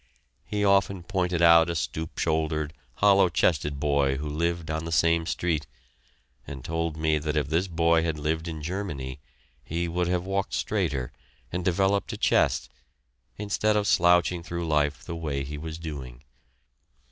He often pointed out a stoop shouldered, hollow chested boy who lived on the same street, and told me that if this boy had lived in Germany he would have walked straighter and developed a chest, instead of slouching through life the way he was doing.